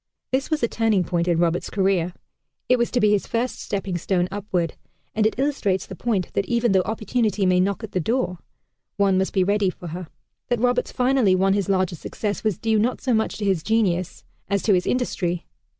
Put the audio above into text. This was a turning point in Roberts' career. It was to be his first stepping stone upward, and it illustrates the point that even though Opportunity may knock at the door one must be ready for her. That Roberts finally won his larger success was due not so much to his genius as to his industry.